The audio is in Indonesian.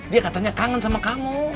dia katanya kangen sama kamu